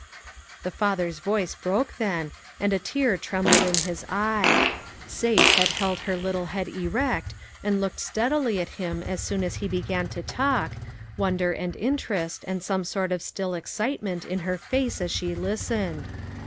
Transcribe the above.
The father's voice broke then, and a tear trembled in his eye. Sate had held her little head erect and looked steadily at him as soon as he began to talk, wonder and interest, and some sort of still excitement in her face as she listened.